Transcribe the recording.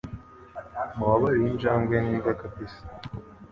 Mubabarire Injangwe n'imbwa kabisa